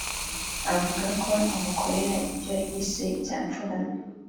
avuga ko amukorera ibyo yise ibya mfura mbi